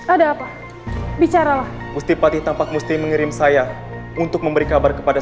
ada apa bicaralah gustipati tampak musti mengirim saya untuk memberi kabar kepada